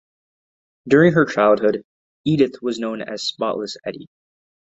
During her childhood, Edith was known as Spotless Edie.